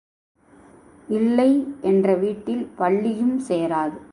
இல்லை என்ற வீட்டில் பல்லியும் சேராது.